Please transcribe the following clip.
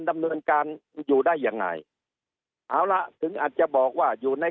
ดำเนินการอยู่ได้ยังไงเอาล่ะถึงอาจจะบอกว่าอยู่ใน